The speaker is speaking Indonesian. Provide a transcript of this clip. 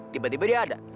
tiba tiba dia ada